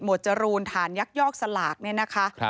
จรูนฐานยักยอกสลากเนี่ยนะคะ